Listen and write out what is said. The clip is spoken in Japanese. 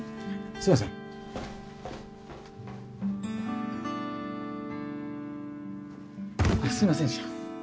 すみませんでした。